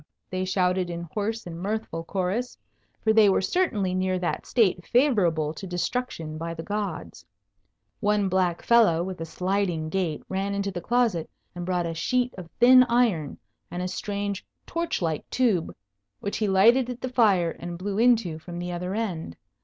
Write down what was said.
they shouted in hoarse and mirthful chorus, for they were certainly near that state favourable to destruction by the gods. One black fellow with a sliding gait ran into the closet and brought a sheet of thin iron, and a strange torch like tube, which he lighted at the fire and blew into from the other end.